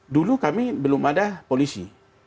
dulu kami belum ada polisi